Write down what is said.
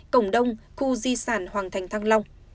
cổng đông khu di sản hoàng thành thăng long